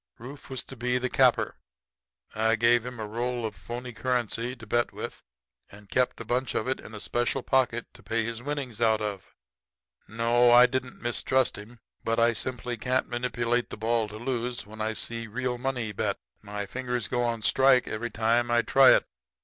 Rufe was to be the capper. I gave him a roll of phony currency to bet with and kept a bunch of it in a special pocket to pay his winnings out of. No; I didn't mistrust him; but I simply can't manipulate the ball to lose when I see real money bet. My fingers go on a strike every time I try it.